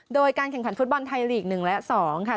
โดยการแข่งขันฟุตบอลไทยลีก๑และ๒ค่ะ